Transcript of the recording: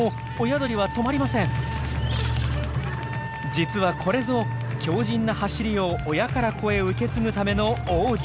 実はこれぞ強じんな「走り」を親から子へ受け継ぐための奥義。